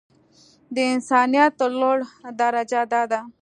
د انسانيت لوړه درجه دا ده.